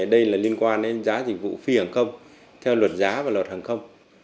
đây là liên quan đến giá dịch vụ phi hàng không theo luật giá và luật hàng không